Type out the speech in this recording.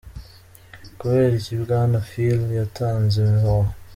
Kubera iki Bwana Flynn yatanze imihoho?.